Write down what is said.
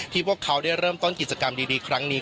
พวกเขาได้เริ่มต้นกิจกรรมดีครั้งนี้